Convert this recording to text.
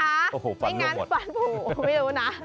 ไม่งั้นฟันหมูไม่รู้นะ